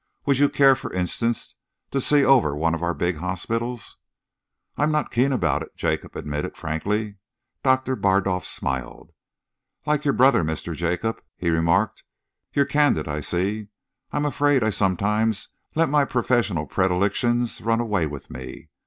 Would you care, for instance, to see over one of our big hospitals?" "I'm not keen about it," Jacob admitted frankly. Doctor Bardolf smiled. "Like your brother, Mr. Jacob," he remarked, "you're candid, I see. I'm afraid I sometimes let my professional predilections run away with me.